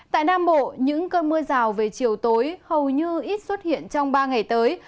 tại nam bộ những cơn mưa rào về chiều tối hầu như ít xuất hiện trong ba ngày tới